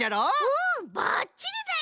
うんばっちりだよ！